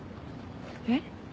えっ？